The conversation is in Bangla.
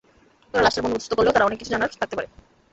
ওরা লাশটার বন্দোবস্ত করলেও তার অনেক কিছু জানার থাকতে পারে।